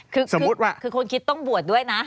คือคนคิดต้องบวชด้วยนะ